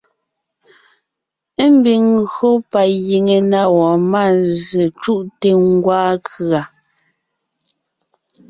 Ḿbiŋ ńgÿo pa giŋe na wɔɔn mánzsè cú’te ńgwaa kʉ̀a.